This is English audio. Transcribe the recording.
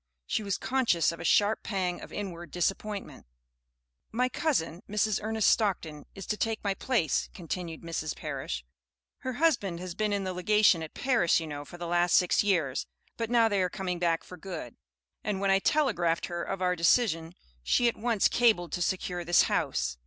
She was conscious of a sharp pang of inward disappointment. "My cousin, Mrs. Ernest Stockton, is to take the place," continued Mrs. Parish. "Her husband has been in the legation at Paris, you know, for the last six years, but now they are coming back for good; and when I telegraphed her of our decision, she at once cabled to secure this house.